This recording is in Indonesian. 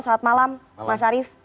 selamat malam mas arief